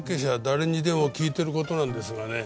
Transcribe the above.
誰にでも聞いてる事なんですがね。